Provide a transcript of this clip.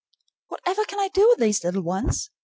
Whatever can I do with these little ones?